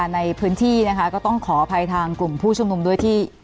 ในพื้นที่นะคะก็ต้องขออภัยทางกลุ่มผู้ชุมนุมด้วยที่